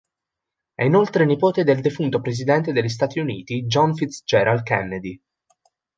È inoltre nipote del defunto presidente degli Stati Uniti John Fitzgerald Kennedy.